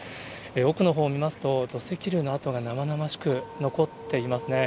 奥のほう見ますと、土石流の跡が生々しく残っていますね。